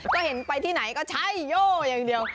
ก็เห็นไปที่ไหนก็ใช่โย่อย่างเดียว